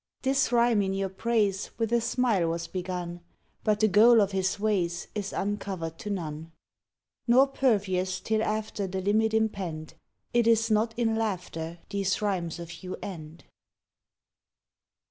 This rhyme in your praise With a smile was begun; But the goal of his ways Is uncovered to none, Nor pervious till after The limit impend; It is not in laughter These rhymes of you end.